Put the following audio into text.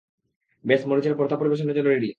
ব্যাস মরিচের ভর্তা পরিবেশনের জন্য রেডি।